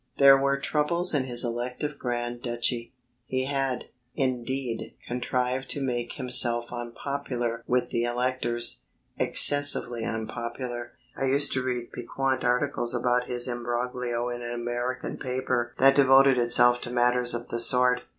There were troubles in his elective grand duchy he had, indeed, contrived to make himself unpopular with the electors, excessively unpopular. I used to read piquant articles about his embroglio in an American paper that devoted itself to matters of the sort.